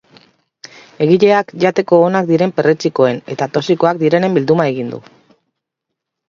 Egileak jateko onak diren perretxikoen eta toxikoak direnen bilduma egin du.